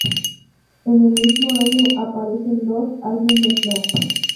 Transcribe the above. En el mismo año aparecen dos álbumes más.